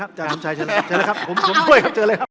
ก็ท่านอื่นก็ได้ครับเชิญละครับจะทำใช้เชิญละครับ